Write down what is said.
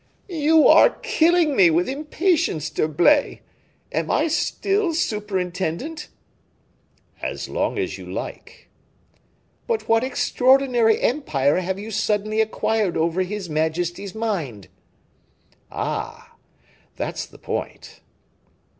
"You are killing me with impatience, D'Herblay. Am I still superintendent?" "As long as you like." "But what extraordinary empire have you so suddenly acquired over his majesty's mind?" "Ah! that's the point."